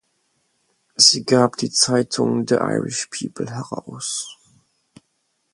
Sie gab die Zeitung "The Irish People" heraus.